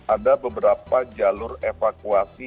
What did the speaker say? ada beberapa jalur evakuasi